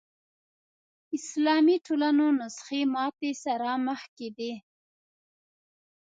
اسلامي ټولنو نسخې ماتې سره مخ کېدې